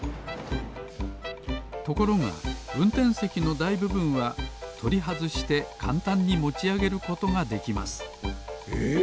ところがうんてんせきのだいぶぶんはとりはずしてかんたんにもちあげることができますえっ？